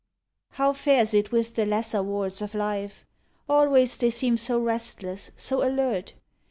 How fares it with the lesser wards of life"? — Always they seem so restless, so alert.